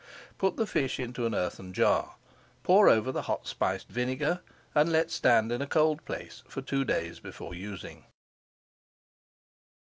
Put the fish into an earthen jar, pour over the hot spiced vinegar and let stand in a cold place for two days before using.